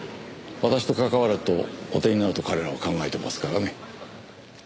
私と関わると汚点になると彼らは考えてますからね。